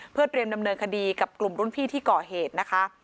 เพื่อเตรียมดำเนินคดีกับกลุ่มรุ่นพี่ที่ก่อเหตุนะคะ